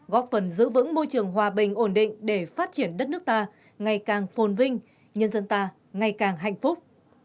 góp phần giữ vững môi trường hòa bình ổn định để phát triển đất nước ta ngày càng phồn vinh nhân dân ta ngày càng hạnh phúc